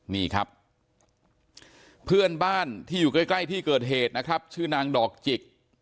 นี่ครับเพื่อนบ้านที่อยู่ใกล้ใกล้ที่เกิดเหตุนะครับชื่อนางดอกจิก